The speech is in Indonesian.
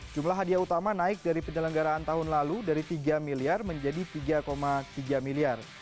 jumlah hadiah utama naik dari penyelenggaraan tahun lalu dari tiga miliar menjadi tiga tiga miliar